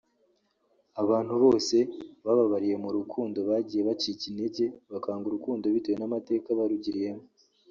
Abantu bose bababariye mu rukundo bagiye bacika intege bakanga urukundo bitewe n’amateka barugiriyemo